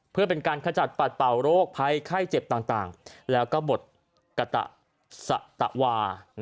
เพื่อเป็นการขจัดปัดเป่าโรคภัยไข้เจ็บต่างแล้วก็บทกตะสตวา